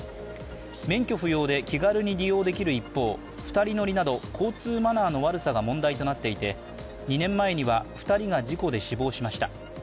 免許不要で気軽に利用できる一方、２人乗りなど、交通マナーの悪さが問題となっていて２年前には２人が事故で死亡しました。